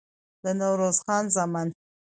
د نوروز خان زامن